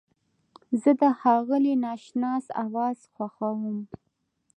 زه د ښاغلي ناشناس اواز خوښوم.